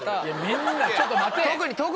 みんなちょっと待て。